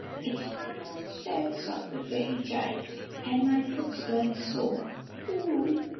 "It's my own self," sobbed the fairy child; "and my foot's burnt sore. O o h!"